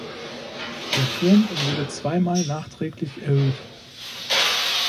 Der Turm wurde zweimal nachträglich erhöht.